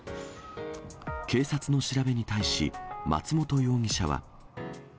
警察の調べに対し、松本容疑者は。